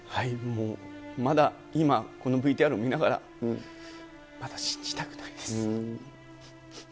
もう、まだ今、このＶＴＲを見ながら、まだ信じたくないです。